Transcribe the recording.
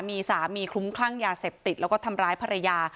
มีสามีคลุ้มคลั่งยาเสพติดแล้วก็ทำร้ายภรรยา